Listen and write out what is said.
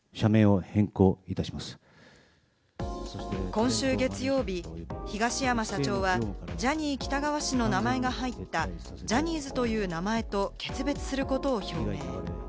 今週月曜日、東山社長はジャニー喜多川氏の名前が入った、ジャニーズという名前と決別することを表明。